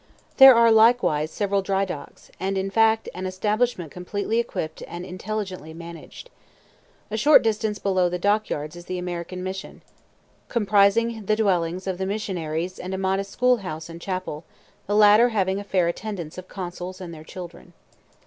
There are, likewise, several dry docks, and, in fact, an establishment completely equipped and intelligently managed. A short distance below the dock yards is the American Mission, comprising the dwellings of the missionaries and a modest school house and chapel, the latter having a fair attendance of consuls and their children.